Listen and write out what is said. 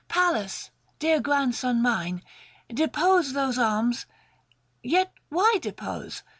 Pallas, dear grandson mine — depose those arms, Yet why depose